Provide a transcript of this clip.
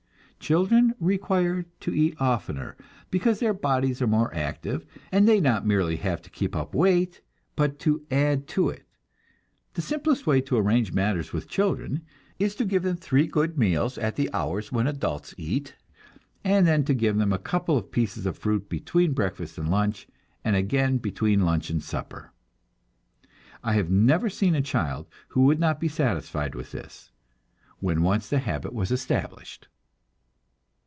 Children require to eat oftener, because their bodies are more active, and they not merely have to keep up weight, but to add to it. The simplest way to arrange matters with children is to give them three good meals at the hours when adults eat, and then to give them a couple of pieces of fruit between breakfast and lunch, and again between lunch and supper. I have never seen a child who would not be satisfied with this, when once the habit was established.